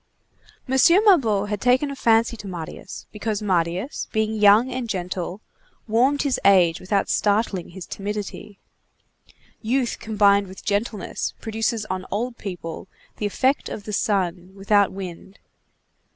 M. Mabeuf had taken a fancy to Marius, because Marius, being young and gentle, warmed his age without startling his timidity. Youth combined with gentleness produces on old people the effect of the sun without wind.